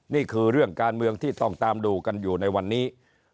นี่คือเรื่องการเมืองที่ต้องตามดูกันอยู่ในวันนี้